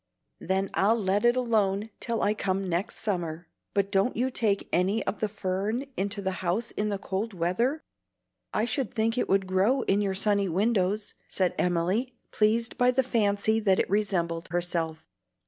"Then I'll let it alone till I come next summer. But don't you take any of the fern into the house in the cold weather? I should think it would grow in your sunny windows," said Emily, pleased by the fancy that it resembled herself.